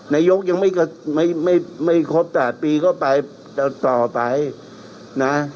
นายกยังไม่ครบ๘ปีก็ไปต่อไปนะ